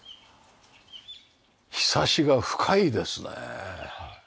ひさしが深いですね。